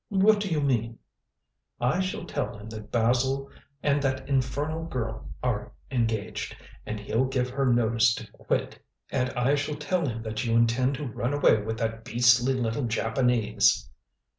"What do you mean?" "I shall tell him that Basil and that infernal girl are engaged, and he'll give her notice to quit. And I shall tell him that you intend to run away with that beastly little Japanese."